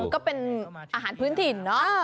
ก็เป็นอาหารพื้นถิ่นเนอะ